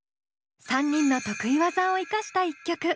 ３人の得意技を生かした１曲。